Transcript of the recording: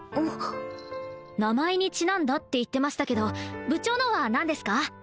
名前にちなんだって言ってましたけど部長のは何ですか？